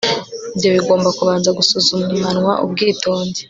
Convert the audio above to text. ibyo bigomba kubanza gusuzumanwa ubwitonzi